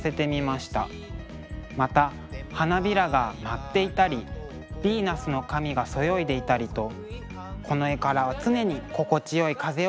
また花びらが舞っていたりヴィーナスの髪がそよいでいたりとこの絵からは常に心地よい風を感じますね。